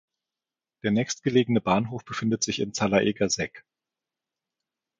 Der nächstgelegene Bahnhof befindet sich in Zalaegerszeg.